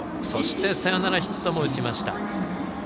そして、サヨナラヒットも打ちました。